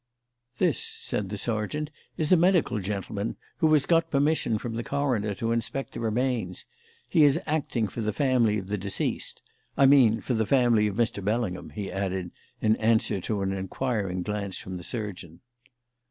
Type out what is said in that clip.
"This," said the sergeant, "is a medical gentleman who has got permission from the coroner to inspect the remains. He is acting for the family of the deceased I mean, for the family of Mr. Bellingham," he added in answer to an inquiring glance from the surgeon.